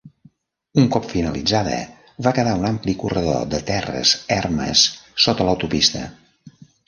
Un cop finalitzada, va quedar un ampli corredor de terres ermes sota l'autopista.